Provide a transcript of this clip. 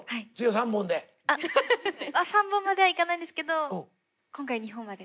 ３本まではいかないんですけど今回２本までで。